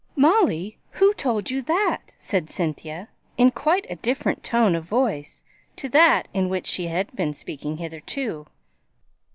"Molly! who told you that?" said Cynthia, in quite a different tone of voice from that in which she had been speaking hitherto.